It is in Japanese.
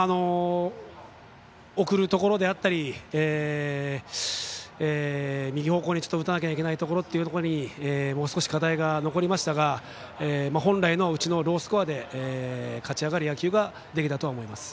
送るところであったり右方向に打たないといけないところでもう少し課題が残りましたが本来のうちのロースコアで勝ち上がる野球ができたとは思います。